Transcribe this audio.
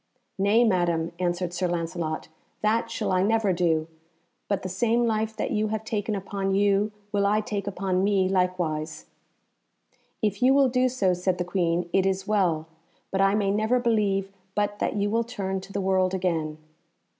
"Nay, Madam," answered Sir Lancelot, "that shall I never do; but the same life that you have taken upon you, will I take upon me likewise." "If you will do so," said the Queen, "it is well; but I may never believe but that you will turn to the world again."